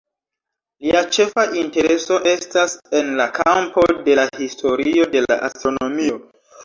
Lia ĉefa intereso estas en la kampo de la historio de la astronomio.